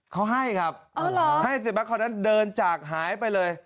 เขาให้ครับเออเหรอให้เสร็จแล้วเขานั้นเดินจากหายไปเลย